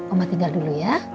oma tinggal dulu ya